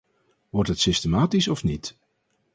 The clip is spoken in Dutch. Wordt het systematisch of niet?